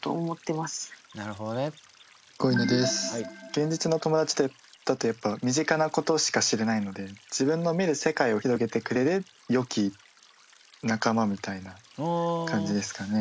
現実の友だちってたとえば身近なことしか知れないので自分の見る世界を広げてくれる良き仲間みたいな感じですかね。